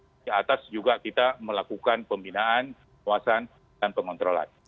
di atas juga kita melakukan pembinaan kewasan dan pengontrolan